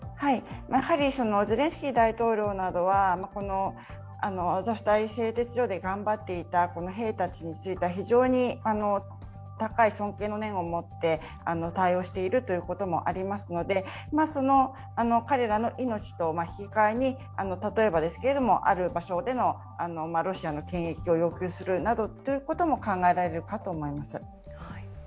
ゼレンスキー大統領などはアゾフスタリ製鉄所で頑張っていた兵たちについては非常に高い尊敬の念を持って対応しているということもありますので彼らの命を引き換えに、例えばある場所でのロシアの検疫を要求するなども考えられるかと思います。